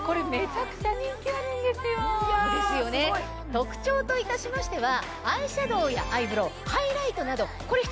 特徴といたしましては。